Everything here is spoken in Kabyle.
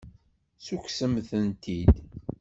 Ssukksemt-tent-id.